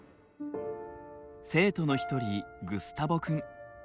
生徒の一人グスタボ君。